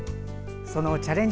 そのチャレンジ